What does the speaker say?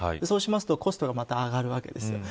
そうするとコストがまた上がるわけです。